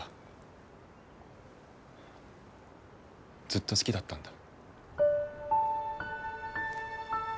ずっと好きだったんだ。